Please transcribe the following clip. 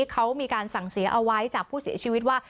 เขามีการสั่งเสียเอาไว้จากผู้เสียชีวิตว่า